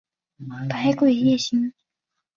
百鬼夜行。